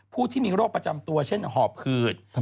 ผู้ที่มีโรคประจำตัวเช่นหอบหืด